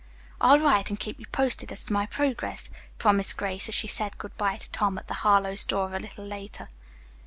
"I'll write and keep you posted as to my progress," promised Grace, as she said good bye to Tom at the Harlowe's door, a little later.